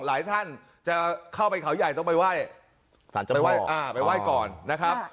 หลายท่านจะเข้าไปเขาใหญ่ต้องไปไหว้ไปไหว้ก่อนนะครับ